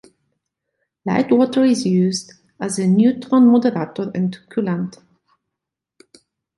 Light water is used as a neutron moderator and coolant.